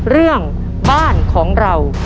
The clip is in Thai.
เรื่องบ้านของเรา